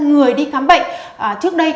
người đi khám bệnh trước đây